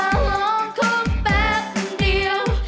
กลางห่องคงแปบเดียว